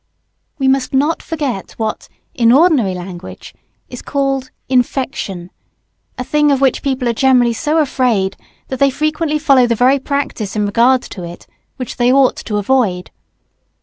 ] We must not forget what, in ordinary language, is called "Infection;" a thing of which people are generally so afraid that they frequently follow the very practice in regard to it which they ought to avoid.